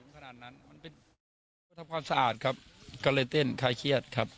ทำความสะอาดครับก็เลยเต้นทายเครียดครับ